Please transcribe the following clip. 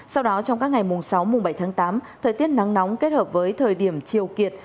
sau đó trong các ngày mùng sáu mùng bảy tháng tám thời tiết nắng nóng kết hợp với thời điểm chiều kiệt